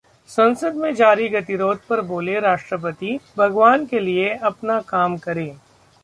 संसद में जारी गतिरोध पर बोले राष्ट्रपति- भगवान के लिए अपना काम करें